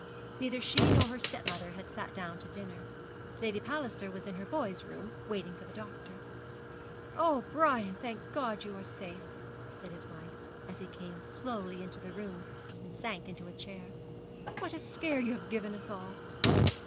Neither she nor her stepmother had sat down to dinner. Lady Palliser was in her boy's room, waiting for the doctor. 'Oh, Brian, thank God you are safe!' said his wife, as he came slowly into the room, and sank into a chair. 'What a scare you have given us all!'